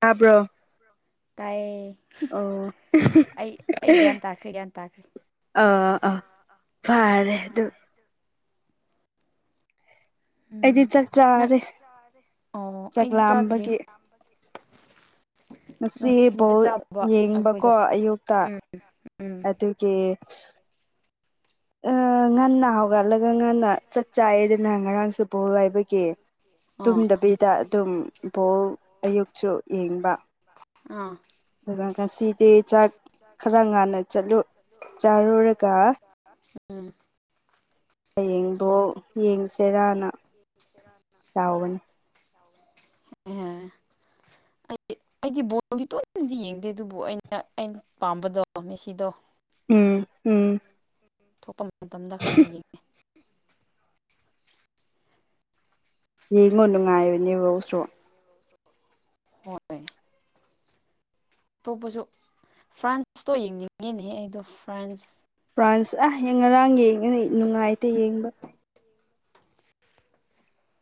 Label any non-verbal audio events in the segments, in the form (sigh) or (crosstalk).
ꯇꯥꯕ꯭ꯔꯣ ꯇꯥꯏ ꯑꯣ ꯑꯩ ꯑꯩ ꯒ꯭ꯌꯥꯟ ꯇꯥꯈ꯭ꯔꯦ ꯒ꯭ꯌꯥꯟ ꯇꯥꯈ꯭ꯔꯦ ꯑ ꯑ ꯑꯥ ꯐꯔꯦ ꯑꯗꯨ ꯑꯩꯗꯤ ꯎꯝ ꯆꯥꯛ ꯅꯪ ꯆꯥꯔꯦ ꯑꯣ ꯆꯥꯛ ꯑꯩ ꯆꯥꯗ꯭ꯔꯤ ꯂꯥꯝꯕꯒꯤ (unintelligible) ꯉꯁꯤ ꯅꯨꯡꯊꯤꯟꯗ ꯕꯣꯜ ꯆꯥꯕ ꯌꯦꯡꯕꯀꯣ ꯑꯩꯈꯣꯏꯗꯣ ꯑꯌꯨꯛꯇ ꯎꯝ ꯎꯝ ꯑꯗꯨꯒꯤ ꯉꯟꯅ ꯍꯧꯒꯠꯂꯒ ꯉꯟꯅ ꯆꯥꯛ ꯆꯥꯏꯑꯗꯅ ꯉꯔꯥꯡꯁꯨꯦꯕꯣꯜ ꯍꯥꯏꯕꯒꯤ ꯑꯣ ꯇꯨꯝꯗꯕꯤꯗ ꯑꯗꯨꯝ ꯕꯣꯜ ꯑꯌꯨꯛꯁꯨ ꯌꯦꯡꯕ ꯑꯥ ꯑꯗꯨꯒ ꯉꯁꯤꯗꯤ ꯆꯥꯛ ꯈꯔ ꯉꯥꯟꯟꯅ ꯆꯠꯂꯨ ꯆꯥꯔꯣꯔꯒ ꯎꯝ ꯍꯌꯦꯡꯗꯣ ꯌꯦꯡꯁꯦꯔꯥꯅ ꯆꯥꯎꯕꯅꯤ (unintelligible) ꯑꯩꯗꯤ ꯑꯩꯗꯤ ꯕꯣꯜꯗꯤ ꯇꯣꯏꯅꯗꯤ ꯌꯦꯡꯗꯦ ꯑꯗꯨꯕꯨ ꯑꯩꯅ ꯑꯩꯅ ꯄꯥꯝꯕꯗꯣ ꯃꯦꯁꯤꯗꯣ ꯎꯝ ꯎꯝ ꯊꯣꯛꯄ ꯃꯇꯝꯗ ꯈꯔꯒ ꯌꯦꯡꯉꯦ ꯌꯦꯡꯉꯣ ꯅꯨꯡꯉꯥꯏꯕꯅꯦꯕꯧꯁꯨ ꯃꯦ ꯑꯇꯣꯞꯄꯁꯨ ꯐ꯭ꯔꯥꯟꯁꯇꯣ ꯌꯦꯡꯅꯤꯡꯉꯤꯅꯦꯍꯦ ꯑꯩꯗꯣ ꯐ꯭ꯔꯥꯟꯁ ꯄ꯭ꯔꯥꯟꯁ ꯑꯥ ꯉꯔꯥꯡ ꯌꯦꯡꯉꯦꯅ ꯅꯨꯡꯉꯥꯏꯇ ꯌꯦꯡꯕ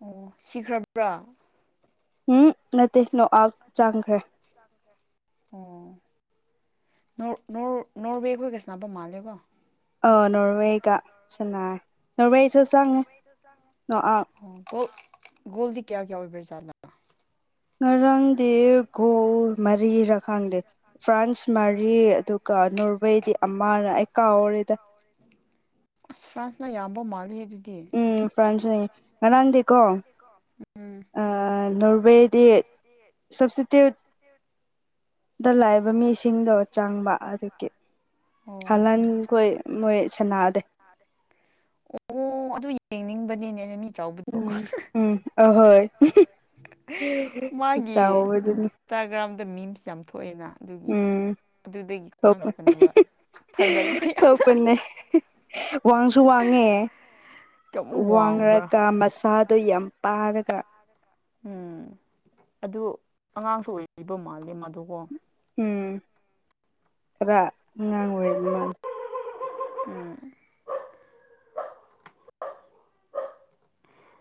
ꯑꯣ ꯁꯤꯈ꯭ꯔꯕ꯭ꯔꯥ ꯎꯝ ꯅ ꯅꯣ ꯑ ꯁꯨꯣ ꯑꯐ ꯆꯪꯒ꯭ꯔ ꯑꯣ ꯅ ꯅ ꯅꯣꯔꯋꯦꯀ ꯀꯁꯅ ꯑꯕ ꯃꯥ ꯍꯥꯂꯀꯣ ꯑ ꯅꯣꯣꯔꯋꯦꯒ ꯆ ꯅꯣꯔꯋꯦ ꯣ ꯣꯜꯗꯤ ꯀꯌꯥ ꯀꯌꯥ ꯑꯣꯏꯕꯦꯔ ꯆꯂ ꯉꯔꯥꯡꯗꯤ ꯒꯣꯜ ꯃꯔꯤꯔ ꯈꯪꯗꯦ ꯐ꯭ꯔꯥꯟꯁ ꯃꯔꯤ ꯑꯗꯨꯒ ꯅꯕꯩꯗꯤ ꯑꯃꯅ ꯑꯩ ꯀꯥꯎꯔꯤꯦꯗ ꯑ ꯐ꯭ꯔꯥꯟꯁꯅ ꯌꯥꯕꯣ ꯃꯥꯒ ꯍꯥꯏ ꯎꯝ ꯐ꯭ꯔꯥꯟꯁ ꯉꯔꯥꯟꯗꯤꯀꯣ ꯎꯝ ꯑ ꯅꯣꯔꯋꯦ ꯗ ꯁꯁꯦ ꯇ ꯗ ꯂꯥꯛꯕ ꯃꯤꯁꯤꯡꯗꯣ ꯆꯪꯕ ꯑꯗꯨꯒꯤ ꯑꯣ ꯍꯍꯟꯈꯣꯏ ꯃꯣꯏ ꯁꯅꯥꯗꯦ ꯑꯣ ꯑꯗꯨ ꯌꯦꯡꯅꯤꯡꯕꯅꯤꯅꯦꯅ ꯃꯤ ꯆꯥꯎꯕꯗꯣ ꯎꯝ ꯎꯝ ꯑꯍꯣꯏ ꯃꯥꯒꯤ ꯆꯥꯎꯕꯗꯨꯅ ꯏꯟꯁꯇꯥꯒ꯭ꯔꯥꯝꯗ ꯃꯤꯝꯁ ꯌꯥꯝ ꯊꯣꯛꯑꯦꯅ ꯑꯗꯨꯒꯤ ꯎꯝ ꯑꯗꯨꯗꯒꯤ ꯊꯣꯛꯄ ꯈꯪꯂꯛꯄꯅꯦꯕ ꯐꯖꯩꯕ ꯌꯥꯝꯅ ꯊꯣꯛꯄꯅꯦ ꯋꯥꯡꯁꯨ ꯋꯥꯡꯉꯦ ꯀꯌꯥꯃꯨꯛ ꯋꯥꯡꯕ꯭ꯔꯥ ꯋꯥꯡꯉꯔꯒ ꯃꯆꯥꯗꯣ ꯌꯥꯝ ꯄꯥꯔꯒ ꯎꯝ ꯑꯗꯨ ꯑꯉꯥꯡꯁꯨ ꯑꯣꯏꯕꯤꯕ ꯃꯥꯜꯂꯦ ꯃꯗꯨꯀꯣ ꯎꯝ ꯈꯔꯉꯥꯡꯉꯣꯏꯕ ꯃꯥꯂꯦ ꯎꯝ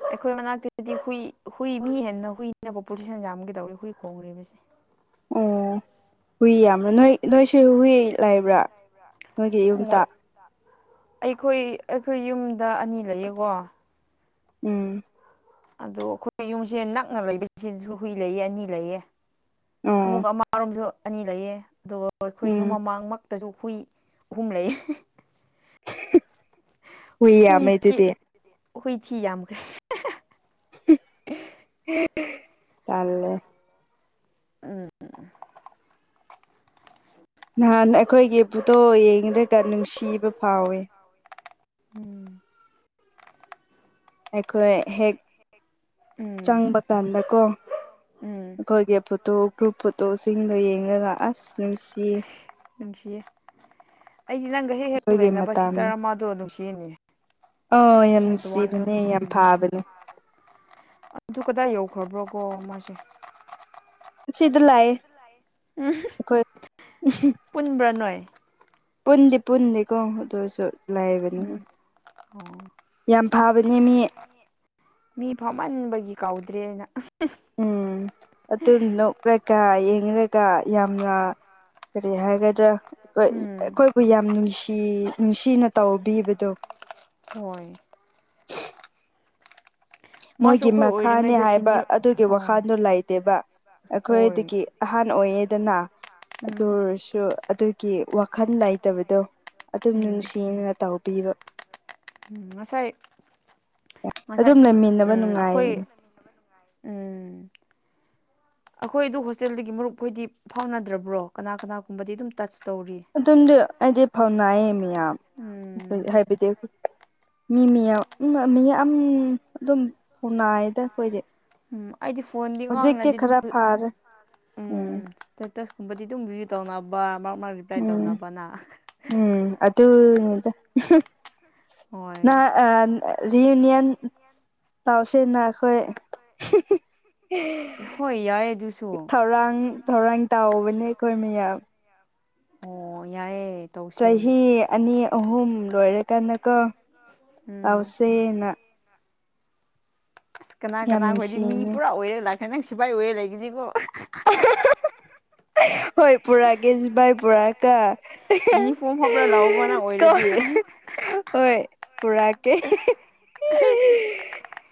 ꯑꯩꯈꯣꯏ ꯃꯅꯥꯛꯇꯗꯗꯤ ꯍꯨꯏ ꯍꯨꯏ ꯃꯤ ꯍꯦꯟꯅ ꯍꯨꯏꯅꯕ ꯄꯣꯖꯤꯁꯟ ꯌꯥꯝꯒ ꯇꯧꯔ ꯍꯨꯏ ꯈꯣꯡꯔꯤꯕꯁꯦ ꯑꯣ ꯍꯨꯏ ꯌꯥꯝꯕ꯭ꯔꯥ ꯅꯣꯏ ꯅꯣꯏꯁꯨ ꯍꯨꯏ ꯂꯩꯕ꯭ꯔꯥ ꯅꯣꯏꯒꯤ ꯍꯣꯏ ꯌꯨꯝꯇ ꯑꯩꯈꯣꯏ ꯑꯩꯈꯣꯏ ꯌꯨꯝꯗ ꯑꯅꯤ ꯂꯩꯌꯦꯀꯣ ꯎꯝ ꯑꯗꯣ ꯑꯩꯈꯣꯏ ꯌꯨꯝꯁꯦ ꯅꯛꯅ ꯂꯩꯕꯁꯤꯁꯨ ꯍꯨꯏ ꯂꯩꯌꯦ ꯑꯅꯤ ꯂꯩꯌꯦ ꯑꯃꯨꯛ ꯑꯣ ꯑꯃꯔꯣꯝꯁꯨ ꯑꯅꯤ ꯂꯩꯌꯦ ꯑꯗꯨꯒ ꯑꯩꯈꯣꯏ ꯌꯨꯝ ꯎꯝ ꯃꯃꯥꯡꯃꯛ ꯇꯁꯨ ꯍꯨꯏ ꯑꯍꯨꯝ ꯂꯩ ꯍꯨꯏ ꯃꯗꯤꯗꯤ ꯑꯩꯈꯣꯏ ꯁꯤꯤ ꯌꯥꯝꯈ꯭ꯔꯦ ꯇꯂ ꯎꯝ ꯅꯍꯥꯟ ꯑꯩꯈꯣꯏꯒꯤ ꯕꯨꯠꯇꯣ ꯌꯦꯡꯂꯒ ꯅꯨꯡꯁꯤꯕ ꯐꯥꯎꯋꯦ ꯎꯝ ꯑꯩꯈꯣꯏ ꯍꯦꯛ ꯎꯝ ꯆꯪꯕ ꯀꯥꯟꯗꯀꯣ ꯎꯝ ꯑꯈꯣꯏꯒꯤ ꯐꯣꯇꯣ ꯒ꯭ꯔꯨꯞ ꯐꯣꯇꯣꯁꯤꯡꯗꯣ ꯌꯦꯡꯉꯒ ꯑꯁ ꯅꯨꯡꯁꯤ ꯅꯨꯡꯁꯤꯌꯦ ꯑꯩꯗꯤ ꯅꯪꯒ ꯍꯦꯛ ꯍꯦꯛ ꯑꯩꯈꯣꯏꯒꯤ ꯂꯩꯅꯕ ꯃꯇꯝꯗꯣ ꯁꯤꯁꯇꯔ ꯑꯃꯗꯣ ꯅꯨꯡꯁꯤꯅꯦ ꯑꯧ ꯌꯥꯝ ꯋꯥꯟꯗ ꯅꯨꯡꯁꯤꯕꯅꯦ ꯌꯥꯝ ꯎꯝ ꯐꯥꯕꯅꯦ ꯑꯗꯨ ꯀꯗꯥꯏ ꯌꯧ ꯄꯨꯈ꯭ꯔꯕ ꯀꯣ ꯃꯥꯁꯨ ꯁꯤꯗ ꯂꯥꯛꯑꯦ ꯎꯝ ꯑꯩꯈꯣꯏ ꯄꯨꯟꯕ꯭ꯔꯥ ꯅꯣꯏ ꯄꯨꯟꯗꯤ ꯄꯨꯟꯗꯦꯀꯣ ꯑꯗꯣꯢꯁꯨ ꯂꯩꯕꯅꯤ ꯎꯝ ꯌꯥꯝ ꯐꯕꯅꯦ ꯃꯤ ꯀꯧꯗ꯭ꯔꯦꯅ ꯑꯥ ꯎꯝ ꯑꯗꯨ ꯅꯣꯛꯔꯀ ꯌꯦ ꯃꯤꯒꯥ ꯌꯥꯝꯅ ꯀꯔꯤ ꯍꯥꯏꯒꯗ꯭ꯔꯥ ꯍꯣꯢ ꯎꯝ ꯑꯩꯈꯣꯏꯕꯨ ꯌꯥꯝ ꯅꯨꯡꯁꯤ ꯅꯨꯡꯁꯤꯅ ꯇꯧꯕꯤꯕꯗꯣ ꯍꯣꯏ (unintelligible) ꯃꯥꯁꯨ ꯃꯣꯏꯒꯤ ꯑꯩꯈꯣꯏ ꯃꯈꯥꯅꯤ ꯑꯣꯏꯔꯤꯉꯩꯗ ꯍꯥꯏꯕ ꯁꯤꯅꯤꯌꯔ ꯑꯗꯨꯒꯤ ꯑꯣ ꯋꯥꯈꯜꯗꯨ ꯂꯩꯇꯦꯕ ꯍꯣꯏ ꯑꯈꯣꯏꯗꯒꯤ ꯑꯍꯥꯟ ꯑꯣꯏꯌꯦ ꯗꯅꯥ ꯎꯝ ꯑꯗꯨꯑꯣꯢꯔꯁꯨ ꯑꯗꯨꯒꯤ ꯋꯥꯈꯜ ꯂꯩꯇꯕꯗꯣ ꯑꯗꯨꯝ ꯎꯝ ꯅꯨꯡꯁꯤꯅꯥꯅ ꯇꯧꯕꯤꯕ ꯎꯝ ꯉꯁꯥꯏ ꯉꯁꯥꯏ ꯑꯗꯨꯝ ꯂꯩꯃꯤꯟꯅꯕ ꯎꯝ ꯑꯩꯈꯣꯏ ꯅꯨꯡꯉꯥꯏꯕꯅꯤ ꯎꯝ ꯑꯈꯣꯢꯗꯨ ꯍꯣꯁꯇꯦꯜꯗꯒꯤ ꯃꯔꯨꯞ ꯈꯣꯏꯗꯤ ꯐꯥꯎꯅꯗ꯭ꯔꯕ꯭ꯔꯣ ꯀꯅꯥ ꯀꯅꯥꯒꯨꯝꯕꯗꯤ ꯑꯗꯨꯝ ꯇꯁ ꯑꯗꯨꯝꯗꯤ ꯑꯩꯗꯤ ꯐꯥꯎꯅꯥꯏꯌꯦ ꯃꯤꯌꯥꯝ ꯎꯝ ꯍꯥꯏꯕꯗꯤ ꯃꯤ ꯃꯤ ꯎꯝ ꯃꯤꯌꯥꯝ ꯑꯗꯨꯝ ꯐꯧꯅꯥꯏꯗ ꯑꯈꯣꯏꯗꯤ ꯎꯝ ꯑꯩꯗꯤ ꯐꯣꯟꯗꯤ ꯉꯥꯡꯉꯗꯤ ꯑꯗꯨꯝ ꯐꯥꯔꯦ ꯎꯝ ꯏꯁꯇꯦꯇꯁ ꯒꯨꯨꯝꯕꯗꯤ ꯗꯨꯝ ꯔꯦꯗꯤ ꯇꯧꯅꯕ ꯃꯥꯔꯛ ꯃꯥꯔꯛ ꯔꯤꯄ꯭ꯂꯥꯏ ꯇꯧꯅꯕꯅ ꯗꯨꯅꯤꯗ ꯍꯣꯏ ꯅ ꯑ ꯔꯤꯌꯨꯅꯤꯌꯟ ꯇꯧꯁꯤꯅ ꯑꯈꯣꯏ ꯍꯣꯏ ꯌꯥꯏꯌꯦ ꯑꯗꯨꯁꯨ ꯊꯧꯔꯥꯡ ꯊꯧꯔꯥꯡ ꯇꯥꯎꯕꯅꯦ ꯑꯈꯣꯏ ꯃꯌꯥꯝ ꯑꯣ ꯌꯥꯏꯑꯦ ꯆꯍꯤ ꯑꯅꯤ ꯑꯍꯨꯝ ꯂꯣꯏꯔꯦ ꯀꯟꯅꯀꯣ ꯎꯝ ꯇꯧꯁꯦꯅ ꯑꯁ ꯀꯅꯥ ꯌꯥꯝ ꯀꯅꯥꯈꯣꯏꯗꯤ ꯃꯤ ꯅꯨꯡꯁꯤꯅꯦ ꯄꯨꯔꯥ ꯑꯣꯏꯔꯦ ꯂꯥꯛꯀꯅꯤ ꯅꯪ ꯁꯤꯐꯥꯏ ꯑꯣꯏꯔꯦ ꯂꯩꯒꯅꯤꯀꯣ ꯍꯣꯏ ꯄꯨꯔꯛꯑꯒꯦ ꯁꯤꯚꯥꯏ ꯄꯨꯔꯥ ꯀꯥ ꯌꯨꯅꯤꯐꯣꯔꯝ ꯍꯥꯞꯄ꯭ꯔꯥ ꯂꯥꯛꯎꯕ ꯅꯪ ꯀꯣ ꯑꯣꯏꯔꯗꯤ ꯍꯣꯢ ꯄꯨꯔꯀꯦ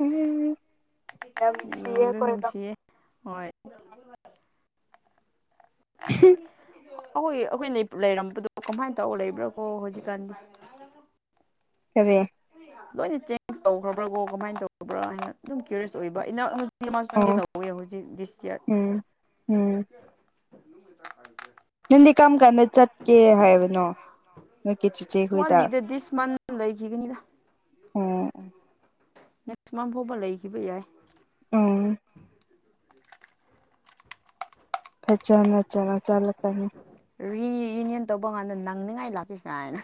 ꯎꯝ ꯌꯥꯝ ꯅꯨꯡꯁꯤꯌꯦ ꯅꯨꯡꯗꯤ ꯑꯈꯣꯢꯗꯣ ꯅꯨꯡꯁꯤꯌꯦ ꯍꯣꯏ ꯍꯤꯝ ꯑꯈꯣꯏ ꯑꯈꯣꯏꯅ ꯂꯩꯔꯝꯕꯗꯣ ꯀꯃꯥꯏꯅ ꯇꯧꯔ ꯂꯩꯕ꯭ꯔꯥ ꯀꯣ ꯍꯧꯖꯤꯛꯀꯥꯟꯗꯣ ꯐꯔꯦ ꯂꯣꯏꯅ ꯆꯦꯟꯖ ꯇꯧꯈ꯭ꯔꯕ꯭ꯔ ꯀꯣ ꯀꯃꯥꯏꯅ ꯇꯧꯔꯕ꯭ꯔꯥ ꯍꯥꯏꯅ ꯑꯗꯨꯝ ꯀ꯭ꯌꯔꯤꯁ ꯑꯣꯏꯕ ꯃꯜ ꯑꯣ ꯆꯪꯒꯦꯗꯧꯋꯦ ꯍꯧꯖꯤꯛ ꯗꯤꯁ ꯌꯔ ꯎꯝ ꯎꯝ ꯅꯪꯗꯤ ꯀꯔꯝ ꯀꯥꯟꯗ ꯆꯠꯀꯦ ꯍꯥꯏꯕꯅꯣ ꯅꯣꯏ ꯀꯦꯆꯤꯆꯦꯈꯣꯏꯗ ꯂꯩꯈꯤꯅꯤꯗ ꯃꯦꯛꯁꯤꯃꯝ ꯐꯥꯎꯕ ꯂꯩꯈꯤꯕ ꯌꯥꯏ ꯎꯝ ꯐꯖꯅ ꯆꯔ ꯆꯠꯂꯀꯅꯤ ꯔꯤꯌꯨꯅꯤꯌꯟ ꯇꯧꯕ ꯀꯥꯟꯗ ꯅꯪꯅꯤꯡꯉꯥꯏ ꯂꯥꯛꯀꯦ ꯀꯥꯏꯅ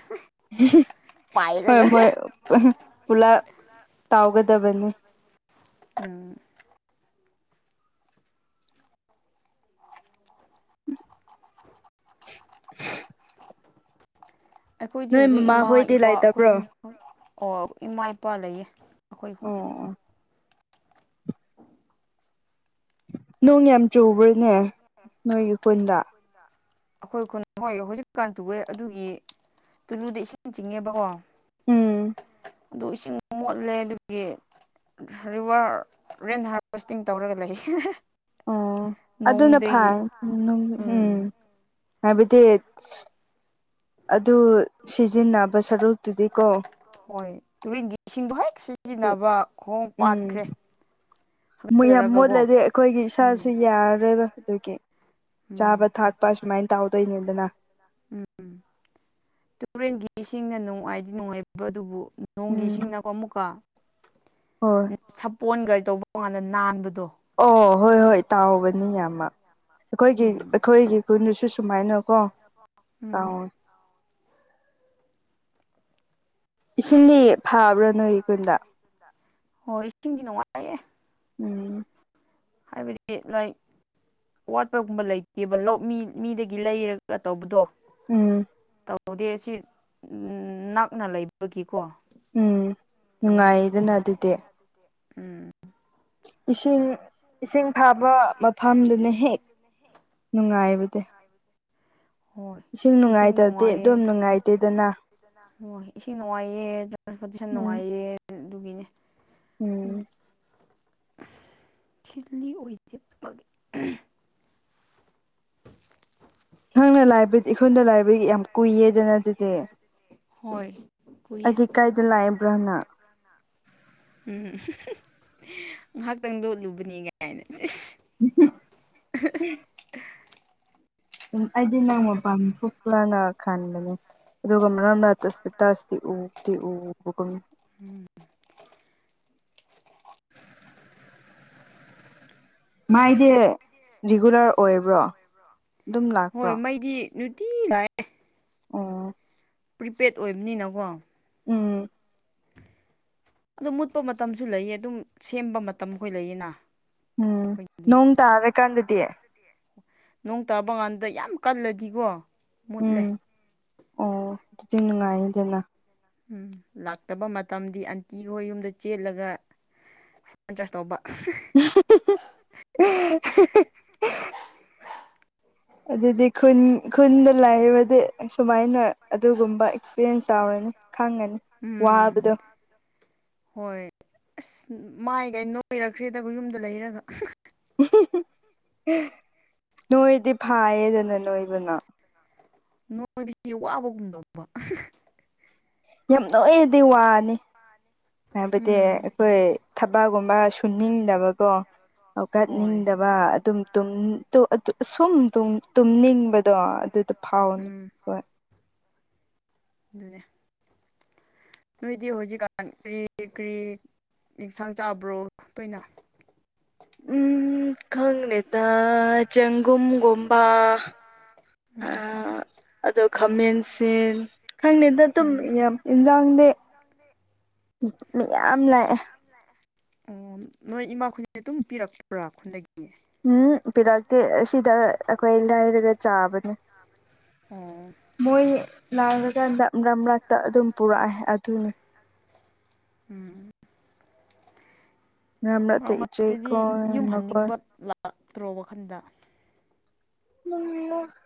ꯍꯣꯏ ꯄꯥꯏꯔꯒ ꯃꯣꯏ ꯄꯨ ꯄꯨꯨꯂ ꯇꯥꯎꯒ ꯗꯕꯅꯤ ꯎꯝ ꯑꯩꯈꯣꯏꯗꯤ ꯅꯣꯏ ꯍꯨꯖꯤꯛ ꯏꯃꯥ ꯃꯃꯥꯍꯣꯏꯗꯤ ꯏꯄꯥ ꯑꯈꯣꯏ ꯂꯩꯇꯕ꯭ꯔꯣ ꯑꯍꯨꯝꯇꯃꯛ ꯑꯣ ꯏꯃꯥ ꯏꯄꯥ ꯂꯩꯌꯦ ꯑꯩꯈꯣꯏꯍꯨꯝ ꯑꯣ ꯅꯣꯡ ꯌꯥꯝ ꯆꯨꯕ꯭ꯔꯅꯦ ꯅꯣꯏꯒꯤ ꯈꯨꯟꯗ ꯑꯈꯣꯏ ꯈꯨꯟꯗ ꯍꯣꯏ ꯍꯧꯖꯤꯛꯀꯥꯟ ꯆꯨꯋꯦ ꯑꯗꯨꯒꯤ ꯇꯨꯂꯨꯗ ꯏꯁꯤꯡ ꯆꯤꯡꯉꯦꯕꯀꯣ ꯎꯝ ꯑꯗꯨ ꯏꯁꯤꯡ ꯃꯣꯠꯂꯦ ꯑꯗꯨꯒꯤ ꯔꯤꯋꯔ ꯔꯦꯟ ꯍꯥꯔꯚꯦꯁꯇꯤꯡ ꯇꯧꯔꯒ ꯂꯩꯌꯦ ꯑꯣ ꯑꯗꯨꯅ ꯐꯥꯢ ꯅꯪ ꯎꯝ ꯍꯥꯏꯕꯗꯤ ꯑꯗꯨ ꯁꯤꯖꯤꯟꯅꯕ ꯁꯔꯨꯛꯇꯨꯗꯤ ꯀꯣ ꯍꯣꯏ ꯇꯨꯔꯦꯟꯒꯤ ꯏꯁꯤꯡꯗꯨ ꯍꯦꯛ ꯑꯗꯨ ꯁꯤꯖꯤꯟꯅꯕ ꯈꯣꯡ ꯄꯥꯠꯈ꯭ꯔꯦ ꯃꯣꯏ ꯌꯥꯝ ꯍꯥꯒꯠꯆꯔꯒꯀꯣ ꯃꯣꯠꯂꯗꯤ ꯑꯩꯈꯣꯏꯒꯤ ꯎꯝ ꯏꯁꯥꯁꯨ ꯌꯥꯔꯔꯣꯏꯕ ꯑꯗꯨꯒꯤ ꯆꯥꯕ ꯎꯝ ꯊꯛꯄ ꯁꯨꯃꯥꯏꯅ ꯇꯧꯗꯣꯏꯅꯤꯗꯅ ꯇꯨꯔꯦꯟꯒꯤ ꯏꯁꯤꯡꯅ ꯅꯨꯡꯉꯥꯏꯗꯤ ꯅꯨꯡꯉꯥꯏꯕ ꯑꯗꯨꯕꯨ ꯅꯣꯡꯒꯤ ꯎꯝ ꯏꯁꯤꯡꯅꯀꯣ ꯑꯃꯨꯛꯀ ꯍꯣꯏ ꯁꯥꯄꯣꯟꯒ ꯇꯧꯕ ꯀꯥꯟꯗ ꯅꯥꯟꯕꯗꯣ ꯑꯣ ꯍꯣꯏ ꯍꯣꯏ ꯇꯥꯎꯕꯅꯤ ꯌꯥꯝꯃ ꯑꯩꯈꯣꯏꯒꯤ ꯎꯝ ꯑꯩꯈꯣꯏꯒꯤ ꯈꯨꯨꯟꯗꯁꯨ ꯁꯨꯃꯥꯏꯅ ꯀꯣ ꯎꯝ ꯇꯧꯋꯦ ꯏꯁꯤꯡꯗꯤ ꯐꯥꯕ꯭ꯔ ꯅꯣꯏ ꯈꯨꯟꯗ ꯍꯣꯏ ꯏꯁꯤꯡꯗꯤ ꯅꯨꯡꯉꯥꯏꯌꯦ ꯎꯝ ꯍꯥꯏꯕꯗꯤ ꯂꯥꯏ ꯋꯥꯠꯄꯒꯨꯝꯕ ꯂꯩꯇꯦꯕ ꯂꯧ ꯃꯤ ꯃꯤꯗꯒꯤ ꯂꯩꯔꯒ ꯇꯧꯕꯗꯣ ꯎꯝ ꯇꯧꯗꯦ ꯑꯁꯤ ꯅꯛꯅ ꯂꯩꯕꯒꯤꯀꯣ ꯎꯝ ꯇꯨꯔꯦꯟꯗꯣ ꯅꯨꯡꯉꯥꯏꯌꯦꯗꯅ ꯑꯗꯨꯗꯤ ꯎꯝ ꯏꯁꯤꯡ ꯏꯁꯤꯡ ꯐꯕ ꯃꯐꯝꯗꯨꯅ ꯍꯦꯛ ꯅꯨꯡꯉꯥꯏꯕ ꯇ ꯍꯣꯏ ꯏꯁꯤꯡ ꯅꯨꯡꯉꯥꯏꯇꯗꯤ ꯑꯗꯨꯝ ꯅꯨꯡꯉꯥꯏꯌꯦ ꯅꯨꯡꯉꯥꯏꯇꯦꯗꯅ ꯍꯣꯏ ꯏꯁꯤꯡ ꯅꯨꯡꯉꯥꯏꯌꯦ ꯇ꯭ꯔꯥꯟꯁꯄꯣꯔꯇꯦꯁꯟ ꯎꯝ ꯅꯨꯡꯉꯥꯏꯌꯦ ꯑꯗꯨꯒꯤꯅꯦ (inaudible) ꯎꯝ (unintelligible) ꯅꯪꯅ ꯂꯩꯕꯗꯤ ꯂꯩꯕꯗꯤ ꯏꯈꯨꯟꯗ ꯂꯩꯕꯒꯤ ꯌꯥꯝ ꯀꯨꯏꯌꯦꯗꯅ ꯑꯗꯨꯗꯤ ꯍꯣꯏ ꯀꯨꯏꯌꯦ ꯑꯗꯤ ꯀꯥꯏꯗ ꯂꯩꯕ꯭ꯔꯥ ꯅꯪ ꯎꯝ ꯉꯍꯥꯛꯇꯪ ꯂꯣꯠꯂꯨꯕꯅꯤ ꯒꯥꯏꯅ (unintelligible) ꯎꯝ ꯑꯩꯗꯤ ꯅꯪ ꯃꯄꯥꯟ ꯊꯣꯛꯄ꯭ꯔꯅ ꯈꯟꯕꯅꯦ ꯑꯗꯨꯒ ꯃꯔꯛ ꯃꯔꯛꯇ ꯏꯁꯇꯦꯇꯁꯇꯤ ꯎꯗꯤ ꯎꯕ ꯀꯣ ꯎꯝ ꯃꯥꯏꯗꯤ ꯔꯤꯒꯨꯂꯔ ꯑꯣꯏꯕ꯭ꯔꯣ ꯑꯗꯨꯝ ꯂꯥꯛꯄ꯭ꯔꯣ ꯇꯤ ꯂꯥꯛꯑꯦ ꯑꯣ ꯄ꯭ꯔꯤꯄꯦꯗ ꯑꯣꯏꯕꯅꯤꯅꯀꯣ ꯎꯝ ꯑꯗꯨ ꯃꯨꯠꯄ ꯃꯇꯝꯁꯨ ꯂꯩꯌꯦ ꯑꯗꯨꯝ ꯁꯦꯝꯕ ꯃꯇꯝꯈꯣꯏ ꯂꯩꯌꯦꯅ ꯎꯝ ꯑꯩꯈꯣꯏꯒꯤ ꯅꯣꯡ ꯇꯥꯔꯀꯥꯟꯗꯗꯤ ꯗ ꯌꯥꯝ ꯀꯜꯂꯗꯤꯀꯣ ꯃꯨꯠꯂꯦ ꯗꯤ ꯅꯨꯡꯉꯥꯏꯅꯤꯗꯅ꯫ ꯎꯝ ꯂꯥꯛꯇꯕ ꯃꯇꯝꯗꯤ ꯑꯟꯇꯤꯈꯣꯏ ꯌꯨꯝꯗ ꯆꯦꯜꯠꯂꯒ ꯐꯣꯟ ꯆꯥꯔꯖ ꯇꯧꯕ꯫ (unintelligible) ꯑꯗꯨꯗꯤ ꯈꯨꯟ ꯈꯨꯟꯗ ꯂꯥꯏꯕꯗꯤ ꯁꯨꯃꯥꯏꯅ ꯑꯗꯨꯒꯨꯝꯕ ꯑꯦꯛꯁꯄꯤꯔꯤꯌꯦꯟꯁ ꯇꯥꯎꯔꯅꯤ꯫ ꯈꯪꯑꯅꯤ ꯎꯝ ꯋꯥꯕꯗꯣ꯫ ꯍꯣꯏ ꯑꯁ ꯃꯥꯏꯒ ꯅꯣꯏꯔꯛꯈ꯭ꯔꯦꯗꯒ ꯌꯨꯝꯗ ꯂꯩꯔꯒ꯫ ꯅꯣꯏꯗꯤ ꯐꯥꯌꯦꯗꯅ ꯅꯣꯏꯗꯨꯅ꯫ ꯅꯣꯏꯕꯁꯤ ꯋꯥꯕꯒꯨꯝꯗꯧꯕ꯫ ꯌꯥꯝ ꯅꯣꯏꯔꯗꯤ ꯋꯥꯅꯤ ꯍꯥꯏꯕꯗꯤ ꯎꯝ ꯑꯩꯈꯣꯏ ꯊꯕꯛꯒꯨꯝꯕ ꯁꯨꯅꯤꯡꯗꯕꯀꯣ ꯍꯣꯏ ꯍꯧꯀꯠꯅꯤꯡꯗꯕ ꯑꯗꯨꯝ ꯇꯨꯝ ꯇꯨ ꯑꯇꯨ ꯑꯁꯨꯝ ꯇꯨꯝ ꯇꯨꯝꯅꯤꯡꯕꯗꯣ ꯑꯗꯨꯗꫭ ꯐꯥꯎꯅꯤ ꯎꯝ ꯍꯣꯏ꯫ ꯂꯦ ꯅꯣꯏꯗꯤ ꯍꯧꯖꯤꯛꯀꯥꯟ ꯀ꯭ꯔꯤ ꯀ꯭ꯔꯤ ꯑꯦꯟꯁꯥꯡ ꯆꯥꯕ꯭ꯔꯣ ꯇꫭꯏꯅ꯫ ꯎꯝ ꯈꯪꯗꯦꯗ ꯆꯪꯒꯨꯝꯒꯨꯝꯕꯥ ꯑ ꯎꯝ ꯑꯗꯣ ꯈꯥꯃꯦꯟꯁꯤꯟ ꯈꯪꯗꯦꯗ ꯑꯗꯨꯝ ꯎꯝ ꯌꯥꯝ ꯏꯟꯖꯥꯡꯗꯤ ꯃꯌꯥꯝ ꯂꯥꯛꯑꯦ꯫ ꯑꯣ ꯅꯣꯏ ꯏꯃꯥꯈꫭꯏꯗꯤ ꯑꯗꯨꯝ ꯄꯤꯔꯛꯄ꯭ꯔꯥ ꯈꯨꯟꯗꯒꯤ꯫ ꯎꯝ ꯄꯤꯔꯛꯇꯦ ꯑꯁꯤꯗ ꯑꯩꯈꯣꯏ ꯂꯥꯏꯔꯒ ꯆꯥꯕꯅꯦ꯫ ꯑꫭꯡ ꯂꯥꯔꯀꯥꯟꯗ ꯃꯔ꯭ꯛ ꯃꯔ꯭ꯛꯇ ꯑꯗꯨꯝ ꯄꯨꯔꯛꯑꯦ ꯑꯗꯨꯅꯤ꯫ ꯎꯝ ꯃꯔꯛꯇ ꯃꯔꯛ ꯏꯆꯦ ꯃꯔꯛꯇꯗꯤ ꯀꯣ ꯌꯨꯝ ꯃꯈꯣꯏ ꯍꯟꯅꯤꯡꯕ ꯂꯥꯛꯇ꯭ꯔꯣ ꯋꯥꯈꯟꯗ꯫ ꯎꯝ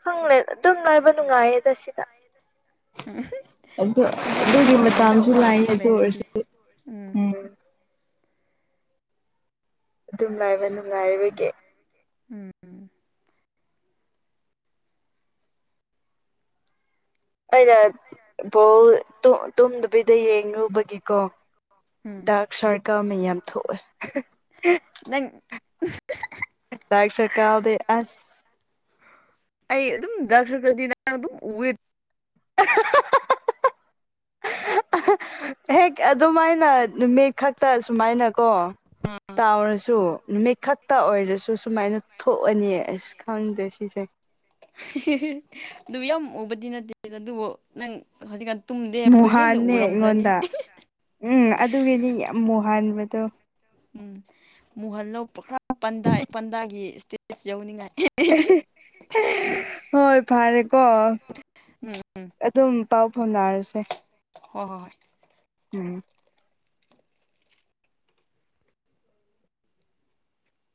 ꯍꯪꯪꯂꯦ ꯑꯗꯨꯝ ꯂꯥꯏꯕ ꯅꯨꯡꯉꯥꯏꯌꯦꯗ ꯁꯤꯗ꯫ ꯎꯝ ꯑꯗꯨ ꯏꯝꯐꯥꯜ ꯃꯆꯥ ꯑꯗꯨꯒꯤ ꯃꯇꯥꯡꯁꯨ ꯑꯣꯏꯔꯅꯤꯀꯣ ꯉꯥꯏꯍꯥꯛ ꯂꯥꯏꯌꯦ ꯂꯩꯔꯗꯤ ꯗꯨꯑꯣꯏꯔꯁꯨ ꯎꯝ ꯑꯗꯨꯝ ꯂꯥꯏꯕ ꯅꯨꯡꯉꯥꯏꯕꯒꯤ ꯎꯝ ꯑꯩꯅ ꯕꯣꯜ ꯇꯨ ꯇꯨꯝꯗꯕꯤꯗ ꯌꯦꯡꯔꯨꯕꯒꯤ ꯀꯣ ꯎꯝ ꯗꯥꯔꯛ ꯁꯔꯀꯜ ꯃꯌꯥꯝ ꯊꯣꯛꯑꯦ꯫ ꯅꯪ ꯗꯥꯔꯛ ꯁꯔꯀꯜꯗꯤ ꯑꯁ ꯑꯩ ꯑꯗꯨꯝ ꯗꯥꯔꯛ ꯁꯔꯀꯜꯗꯤ ꯅꯪ ꯑꯗꯨꯝ ꯎꯋꯦ꯫ (unintelligible) ꯍꯦꯛ ꯑꯗꯨꯃꯥꯏꯅ ꯅꯨꯃꯤꯠ ꯈꯛꯇ ꯁꯨꯃꯥꯏꯅꯀꯣ ꯑꯥ ꯇꯥꯎꯔꯁꯨ ꯅꯨꯃꯤꯠꯈꯛꯇ ꯑꯣꯏꯔꯁꯨ ꯁꯨ ꯁꯤꯁꯦ (inaudible) ꯗꯨ ꯌꯥꯝ ꯎꯕꯗꯤ ꯅꯠꯇꯦ ꯑꯗꯨꯕꯨ ꯅꯪ ꯍꯧꯖꯤꯛꯀꯥꯟ ꯇꯨꯝꯗꯦ ꯍꯥꯏꯕ ꯍꯦꯟꯅ ꯃꯨꯍꯥꯟꯅꯦ ꯎꯔꯝꯈ꯭ꯔꯅꯤ꯫ ꯑꯩꯉꯣꯟꯗ ꯎꯝ ꯑꯗꯨꯒꯤꯗꯤ ꯌꯥꯝ ꯃꯨ ꯍꯟꯕꯗꯣ꯫ ꯎꯝ ꯃꯨꯍꯟꯂꫭ ꯈꯔ ꯄꯟꯗꯥ ꯄꯟꯗꯥꯒꯤ ꯏꯁꯇꯦꯖ ꯌꯧꯅꯤꯡꯉꯥꯏ꯫ (unintelligible) ꯍꯣꯏ ꯐꯔꯦꯀꯣ ꯎꯝ ꯎꯝ ꯑꯗꯨꯝ ꯄꯥꯎ ꯐꯥꯎꯅꯥꯔꯁꯦ꯫ ꯍꯣꯏ ꯍꯣꯏ ꯍꯣꯏ꯫ ꯎꯝ